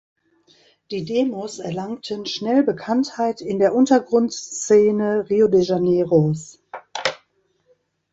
Die Demos erlangten schnell Bekanntheit in der Untergrundszene Rio de Janeiros.